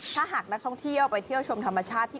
ถ้าหากนักท่องเที่ยวไปเที่ยวชมธรรมชาติที่